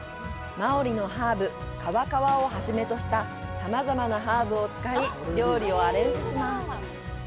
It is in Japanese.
マオリのハーブ、カワカワを初めとしたさまざまなハーブを使い料理をアレンジします。